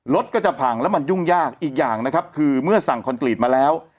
รถก็จะพังแล้วมันยุ่งยากอีกอย่างนะครับคือเมื่อสั่งคอนกรีตมาแล้ว